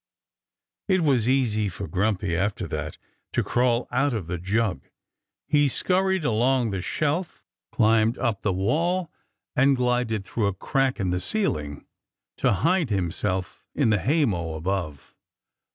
It was easy for Grumpy, after that, to crawl out of the jug. He scurried along the shelf, climbed up the wall, and glided through a crack in the ceiling, to hide himself in the haymow above.